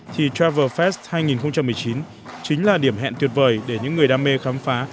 thì travel fest hai nghìn một mươi chín chính là điểm hẹn tuyệt vời để những người đam mê khám phá